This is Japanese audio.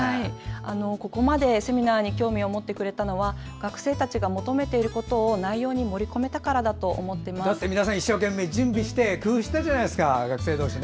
ここまでセミナーに興味を持ってくれたのは学生たちが求めていたことを内容に盛り込めたからだと皆さん、一生懸命準備して工夫してたじゃないですか